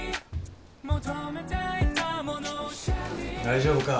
大丈夫か？